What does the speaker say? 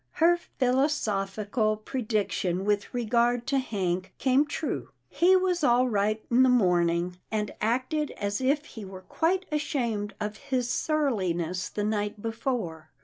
Her philosophical prediction with regard to Hank came true. He was all right in the morning, and acted as if he were quite ashamed of his surliness the night before.